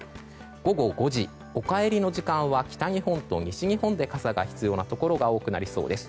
午後５時、お帰りの時間は北日本と西日本で傘が必要なところが多くなりそうです。